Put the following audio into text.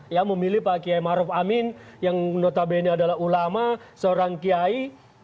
yang memilih pak kiai maruf amin yang notabene adalah ulama seorang kiai